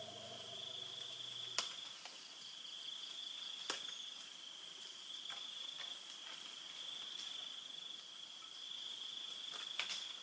ติดต่อไปแล้วติดต่อไปแล้ว